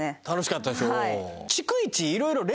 楽しかったでしょ